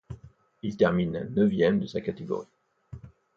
Il termine neuvième de sa catégorie.